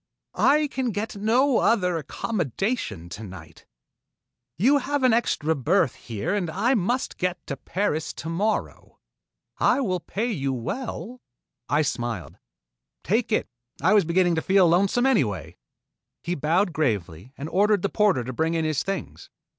"I can get no other accommodations tonight. You have an extra berth here and I must get to Paris tomorrow. I will pay you well " I smiled. "Take it. I was beginning to feel lonesome, anyway." He bowed gravely and ordered the porter to bring in his things.